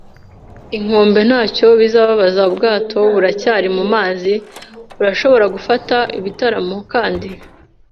inkombe ntacyo bizababaza - ubwato buracyari mumazi; urashobora gufata ibitaramo, kandi